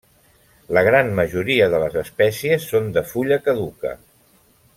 La gran majoria de les espècies són de fulla caduca.